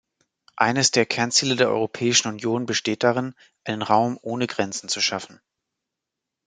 Eines der Kernziele der Europäischen Union besteht darin, einen Raum ohne Grenzen zu schaffen.